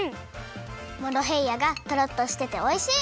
モロヘイヤがトロっとしてておいしい！